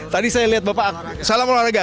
tadi saya lihat bapak salam olahraga